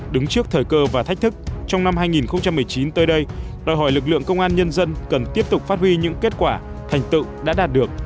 đứng trước thời cơ và thách thức trong năm hai nghìn một mươi chín tới đây đòi hỏi lực lượng công an nhân dân cần tiếp tục phát huy những kết quả thành tựu đã đạt được